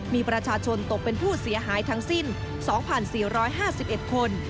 มีประชาชนตกเป็นผู้เสียหายทั้งสิ้น๒๔๕๑คน